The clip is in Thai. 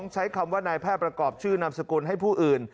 ใช้คำว่านายแพทย์ประกอบชื่อนามสกุลให้ผู้อื่น